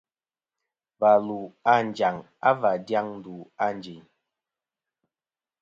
Và lu a Anjaŋ va dyaŋ ndu a Ànjin.